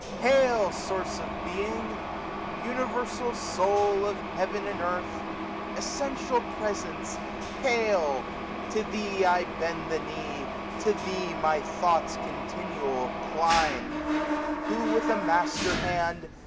Hail, Source of Being ! Universal Soul Of heaven and earth ! Essential Presence, hail! To The* I bend the knee ; to Thee my thoughts, SSS Continual, climb ; who, with a master hand.